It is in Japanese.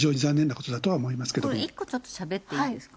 これ１個ちょっとしゃべっていいですか。